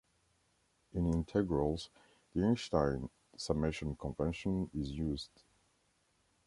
In integrals, the Einstein summation convention is used.